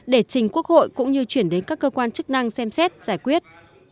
để trình quốc hội cũng như chuyển đến các cơ quan chức năng xem xét giải quyết